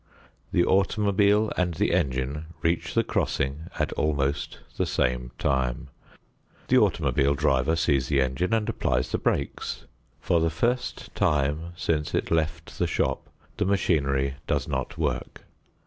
The automobile and the engine reach the crossing at almost the same time. The automobile driver sees the engine and applies the brakes. For the first time since it left the shop, the machinery does not work.